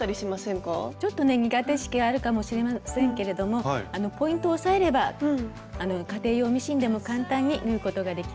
ちょっとね苦手意識があるかもしれませんけれどもポイントを押さえれば家庭用ミシンでも簡単に縫うことができます。